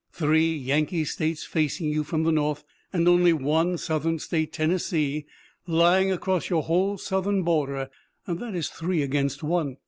Three Yankee states facing you from the north and only one Southern state, Tennessee, lying across your whole southern border, that is three against one.